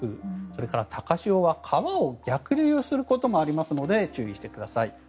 それから高潮は川を逆流することもありますので注意してください。